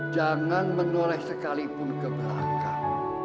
jangan menoleh sekalipun ke belakang